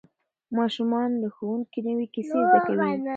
ماشومان له ښوونکي نوې کیسې زده کوي